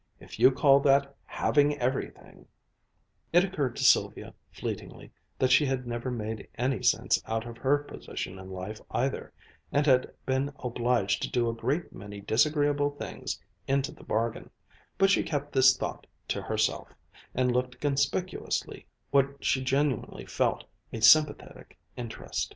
If you call that 'having everything' " It occurred to Sylvia fleetingly that she had never made any sense out of her position in life either, and had been obliged to do a great many disagreeable things into the bargain, but she kept this thought to herself, and looked conspicuously what she genuinely felt, a sympathetic interest.